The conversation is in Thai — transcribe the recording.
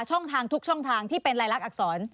ช่องทางทุกช่องทางที่เป็นรายลักษร